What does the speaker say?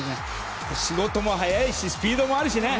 仕事も早いしスピードもあるしね。